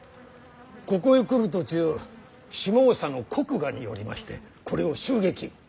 ここへ来る途中下総の国衙に寄りましてこれを襲撃。